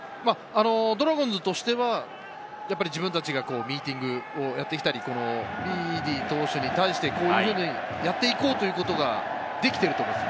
ドラゴンズとしては自分たちがミーティングをやってきたり、ビーディ投手に対して、こういうふうにやって行こうということができていると思います。